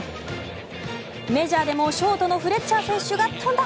メジャーでもショートのフレッチャー選手が飛んだ！